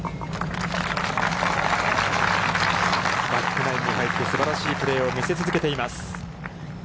バックナインに入ってすばらしいプレーを見せ続けています。